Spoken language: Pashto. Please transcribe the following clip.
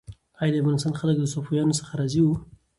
آیا د افغانستان خلک له صفویانو څخه راضي وو؟